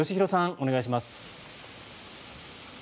お願いします。